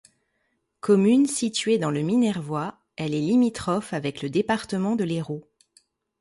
Commune située dans le Minervois, elle est limitrophe avec le département de l'Hérault.